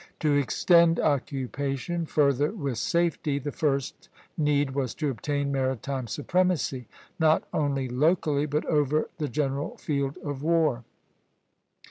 To extend occupation further with safety, the first need was to obtain maritime supremacy, not only locally, but over the general field of war.